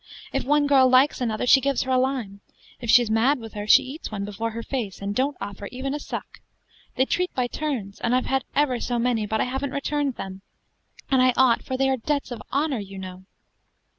If one girl likes another, she gives her a lime; if she's mad with her, she eats one before her face, and don't offer even a suck. They treat by turns; and I've had ever so many, but haven't returned them, and I ought, for they are debts of honor, you know."